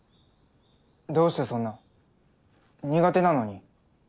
どうしてそんな苦手なのに。